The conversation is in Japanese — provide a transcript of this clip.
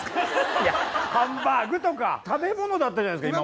いやハンバーグとか食べ物だったじゃないですか